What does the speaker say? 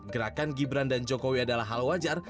gerakan gibran dan jokowi adalah hal wajar